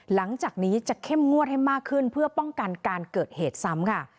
หลังจากนี้จะเข้มงวดให้มากขึ้นเพื่อป้องกันการเกิดเหตุซ้ำค่ะ